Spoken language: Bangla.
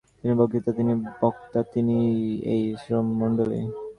তিনিই বক্তৃতা, তিনিই বক্তা, তিনিই এই শ্রোতৃমণ্ডলী।